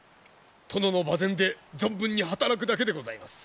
殿の馬前で存分に働くだけでございます。